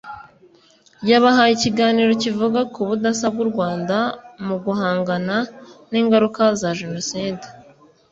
yabahaye ikiganiro kivuga ku budasa bw’u Rwanda mu guhangana n’ingaruka za Jenoside